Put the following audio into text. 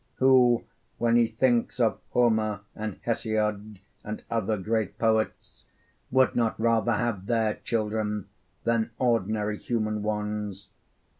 Who, when he thinks of Homer and Hesiod and other great poets, would not rather have their children than ordinary human ones?